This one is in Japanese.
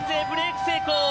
ブレーク成功。